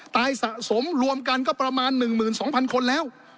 ตายสะสมรวมกันประมาณ๑๒หมื่นคนแล้ว